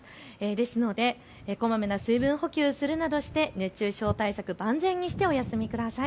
ですのでこまめな水分補給など熱中症対策、万全にしてお過ごしください。